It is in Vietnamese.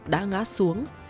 đã ngã xuống